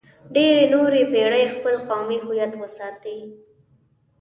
ډېرې نورې پېړۍ خپل قومي هویت وساتئ.